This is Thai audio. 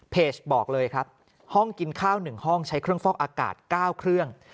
บอกเลยครับห้องกินข้าว๑ห้องใช้เครื่องฟอกอากาศ๙เครื่อง